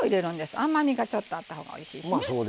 甘みが、ちょっとあったほうがおいしいしね。